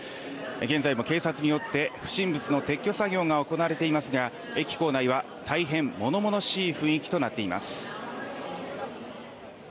現在も警察によって、不審物の撤去作業が行われていますが駅構内は大変物々しい雰囲気となっています。